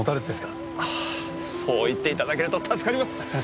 そう言っていただけると助かります！